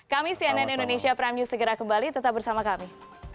kami cnn indonesia prime news segera kembali tetap bersama kami